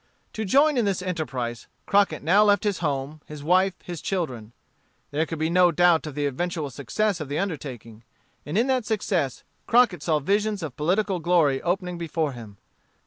To join in this enterprise, Crockett now left his home, his wife, his children. There could be no doubt of the eventual success of the undertaking. And in that success Crockett saw visions of political glory opening before him.